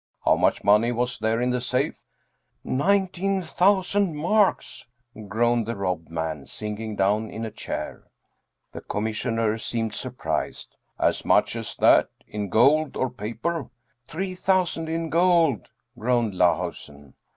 How much money was there in the safe ?"" Nineteen thousand marks," groaned the robbed man, sinking down in a chair. The Commissioner seemed surprised. " As much as that ? In gold or paper? "" Three thousand in gold," groaned Lahusen.